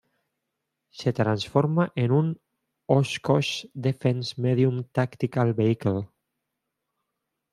Se transforma en un Oshkosh Defense Medium Tactical Vehicle.